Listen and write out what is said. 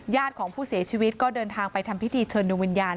ของผู้เสียชีวิตก็เดินทางไปทำพิธีเชิญดวงวิญญาณ